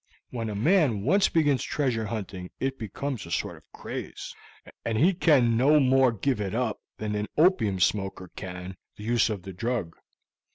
When a man once begins treasure hunting it becomes a sort of craze, and he can no more give it up than an opium smoker can the use of the drug.